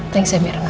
thanks ya mirna